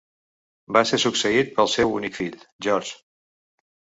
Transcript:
Va ser succeït pel seu únic fill, George.